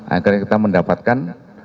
agar kita mendapatkan